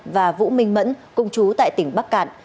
và vũ minh mẫn công chú tại tỉnh bắc cạn